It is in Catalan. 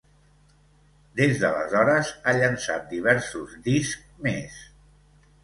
Des d'aleshores ha llançat diversos discs més.